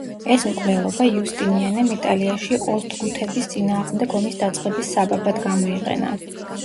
ეს მკვლელობა იუსტინიანემ იტალიაში ოსტგუთების წინააღმდეგ ომის დაწყების საბაბად გამოიყენა.